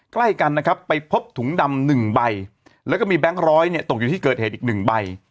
ใกล้กันนะครับไปพบถุงดำ๑ใบแล้วก็มีแบงค์ร้อยเนี่ยตกอยู่ที่เกิดเหตุอีกหนึ่งใบ